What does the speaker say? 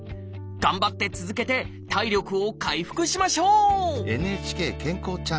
頑張って続けて体力を回復しましょう！